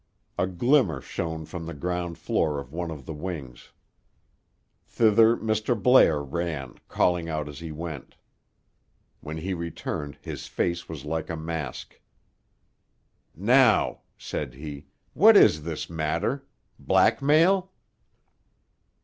A glimmer shone from the ground floor of one of the wings. Thither Mr. Blair ran, calling out as he went. When he returned, his face was like a mask. "Now," said he, "what is this matter? Blackmail?"